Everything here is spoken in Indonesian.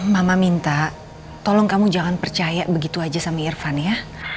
mama minta tolong kamu jangan percaya begitu saja sama irfan ya